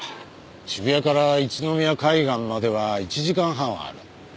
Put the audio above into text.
渋谷から一宮海岸までは１時間半はある。